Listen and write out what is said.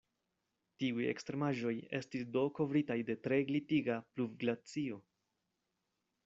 Tiuj ekstremaĵoj estis do kovritaj de tre glitiga pluvglacio.